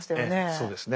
そうですね。